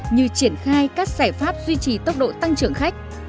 như triển khai các giải pháp duy trì tốc độ tăng trưởng khách